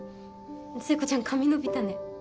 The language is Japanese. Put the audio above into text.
聖子ちゃん髪伸びたね。